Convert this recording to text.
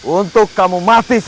untuk kamu mati seriwisata